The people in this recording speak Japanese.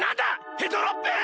ヘドロッペン？